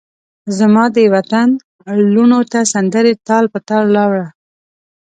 زمادوطن لوڼوته سندرې تال په تال راوړه